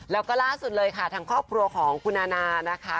แล้วก็ล่าสุดเลยค่ะทางครอบครัวของคุณอานานะคะ